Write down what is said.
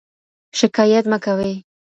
شکایت مه کوئ.